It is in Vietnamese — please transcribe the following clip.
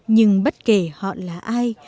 nhưng bất kể họ là ai